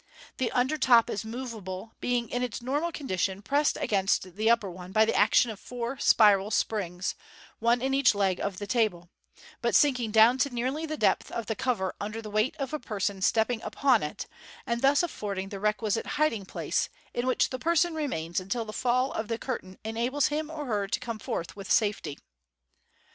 The under top is moveable, being in its notmal condition pressed against the upper one by the action of four spiral springs (one in each leg of the table), but sinking down to nearly the depth of the cover under the weight of a person stepping upon it, and thus affording the requisite hiding place, in which the person remains until the fall of the curtain enables him or her to come forth with safety.